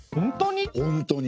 本当に！？